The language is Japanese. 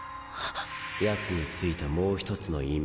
ヤツに付いたもう一つの異名